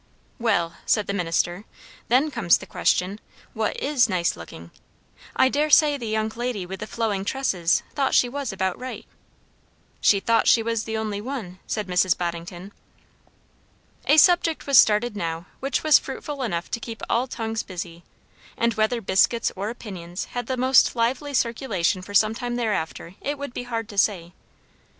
"Well!" said the minister; "then comes the question, what is nice looking? I dare say the young lady with the flowing tresses thought she was about right." "She thought she was the only one," said Mrs. Boddington. A subject was started now which was fruitful enough to keep all tongues busy; and whether biscuits or opinions had the most lively circulation for some time thereafter it would be hard to say.